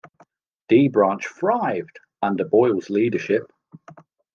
D Branch thrived under Boyle's leadership.